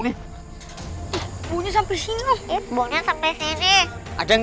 sampahnya baru diangkut berarti mobil sampahnya itu belum jauh